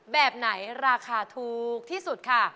แบบไหนราคาถูกที่สุดค่ะ